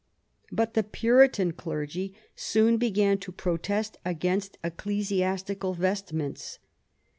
But the Puritan clergy soon began a protest against ecclesiastical vestments.